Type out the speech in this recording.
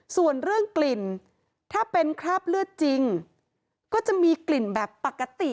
ส่วนเรื่องกลิ่นถ้าเป็นคราบเลือดจริงก็จะมีกลิ่นแบบปกติ